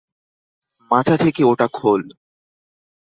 মাথা থেকে ওটা খোল।